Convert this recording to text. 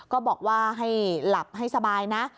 ก็บอกว่าให้หลับให้สบายนะ